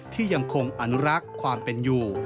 ที่ยังคงอนุรักษ์ความเป็นอยู่